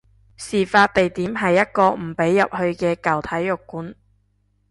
事發地點係一個唔俾入去嘅舊體育館